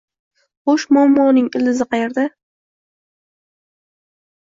Xo`sh, muammoning ildizi qaerda